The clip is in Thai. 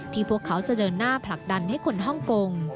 พวกเขาจะเดินหน้าผลักดันให้คนฮ่องกง